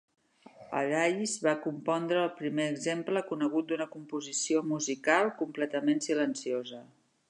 Allais va compondre el primer exemple conegut d'una composició musical completament silenciosa.